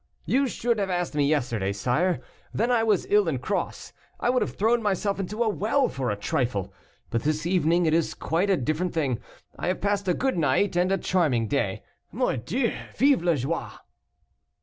"You should have asked me yesterday, sire, then I was ill and cross. I would have thrown myself into a well for a trifle. But this evening it is quite a different thing. I have passed a good night and a charming day. Mordieu, vive la joie!"